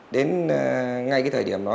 đến ngay cái thời điểm đó